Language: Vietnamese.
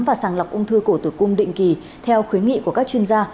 và sàng lọc ung thư cổ tử cung định kỳ theo khuyến nghị của các chuyên gia